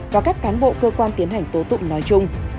và các cán bộ cơ quan tiến hành tố tụng nói chung